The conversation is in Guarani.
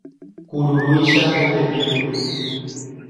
Kururúicha hopepi ruru